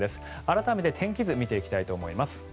改めて天気図見ていきたいと思います。